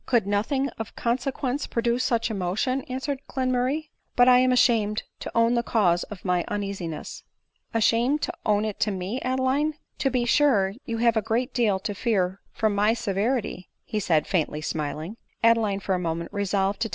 " Could c nothing of con s u ence ' produce such emo tion ?" answered Glenmurray. " But I am ashamed To own the cause of my un easiness." 13 142 ADELINE MOWBRAY. " Ashamed taown it to me, Adeline ? To be sure, you have a great deal to fear from my severity !" said, he, faintly smiling. Adeline for a moment resolved to.